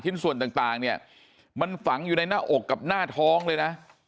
ส่วนต่างเนี่ยมันฝังอยู่ในหน้าอกกับหน้าท้องเลยนะ